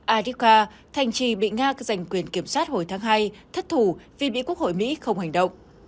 adhika thành trì bị nga giành quyền kiểm soát hồi tháng hai thất thủ vì mỹ quốc hội mỹ không hành động